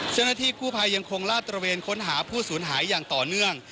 เช่นอาทิตย์กูภัยยังคงล่าตรวจทะเลเวียนค้นหาผู้สูญหายอย่างต่อเนื่อง